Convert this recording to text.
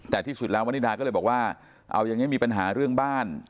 แต่ที่สุดแล้วมณิดาก็เลยบอกว่าเอาอย่างนี้มีปัญหาเรื่องบ้าน